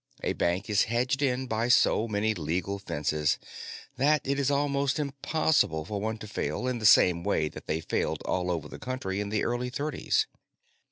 A bank is hedged in by so many legal fences that it is almost impossible for one to fail in the same way that they failed all over the country in the early Thirties.